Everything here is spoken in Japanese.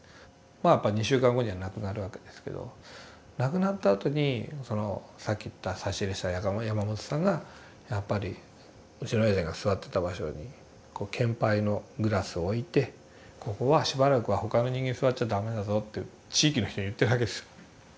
まあやっぱり２週間後には亡くなるわけですけど亡くなったあとにそのさっき言った差し入れした山本さんがやっぱりうちの親父が座ってた場所に献杯のグラスを置いてここはしばらくは他の人間座っちゃダメだぞって地域の人に言ってるわけですよ。